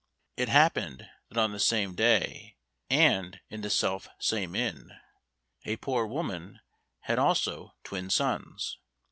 It happened that on the same day, and in the self same inn, a poor woman had also twin sons.